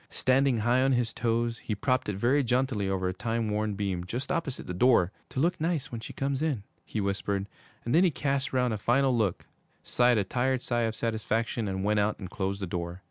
Standing high on his toes, he propped it very jauntily over a time worn beam just opposite the door. 'To look nice when she comes in,' he whispered; and then he cast round a final look, sighed a tired sigh of satisfaction and went out and closed the door.